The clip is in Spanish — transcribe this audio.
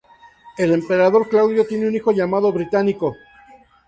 El emperador Claudio tiene un hijo llamado Británico.